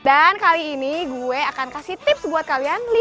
dan kali ini gue akan kasih tips buat kalian